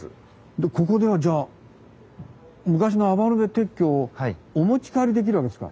でここではじゃあ昔の余部鉄橋をお持ち帰りできるわけですか？